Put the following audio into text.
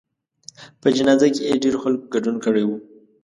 په جنازه کې یې ډېرو خلکو ګډون کړی و.